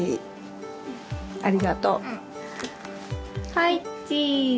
はいチーズ。